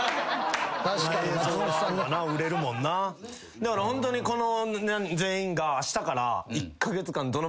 だからホントにこの全員があしたから。